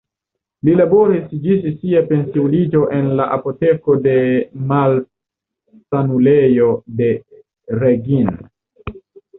Li laboris ĝis sia pensiuliĝo en la apoteko de malsanulejo de Reghin.